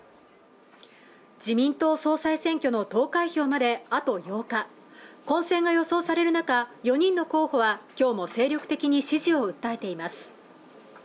自民党総裁選挙の投開票まであと８日混戦が予想される中４人の候補は今日も精力的に支持を訴えています